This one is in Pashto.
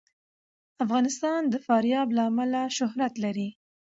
افغانستان د فاریاب له امله شهرت لري.